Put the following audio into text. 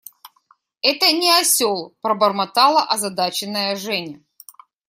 – Это не осел, – пробормотала озадаченная Женя.